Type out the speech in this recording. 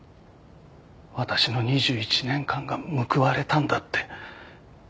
私の２１年間が報われたんだって。